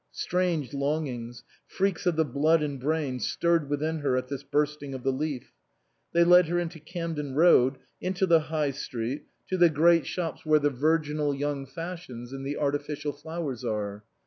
Strange longings, freaks of the blood and brain, stirred within her at this bursting of the leaf. They led her into Camden Road, into the High Street, to the great shops where 252 SPRING FASHIONS the virginal young fashions and the artificial flowers are.